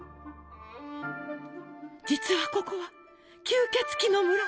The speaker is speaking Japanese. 実はここは吸血鬼の村！